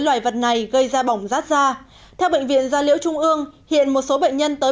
loài vật này gây ra bỏng rát da theo bệnh viện gia liễu trung ương hiện một số bệnh nhân tới